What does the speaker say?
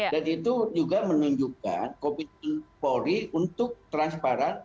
dan itu juga menunjukkan covid sembilan belas fori untuk transparan